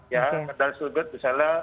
ya dari sudut misalnya